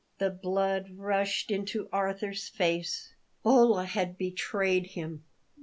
The blood rushed into Arthur's face. Bolla had betrayed him!